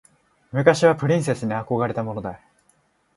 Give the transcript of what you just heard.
昔はプリンセスに憧れたものだ。